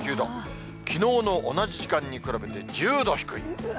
きのうの同じ時間に比べて、１０度低い。